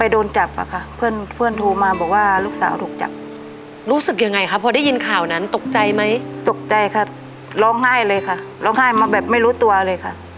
ร้องไห้เลยค่ะร้องไห้มาแบบไม่รู้ตัวเลยค่ะ